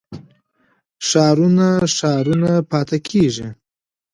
ښارونه روښانه پاتې کېږي.